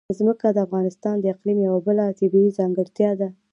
ځمکه د افغانستان د اقلیم یوه بله طبیعي ځانګړتیا ده.